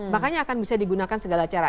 makanya akan bisa digunakan segala cara